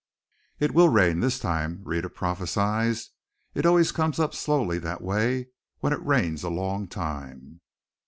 "It will rain this time," Rhetta prophesied. "It always comes up slowly that way when it rains a long time."